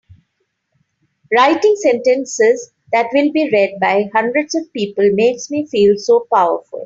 Writing sentences that will be read by hundreds of people makes me feel so powerful!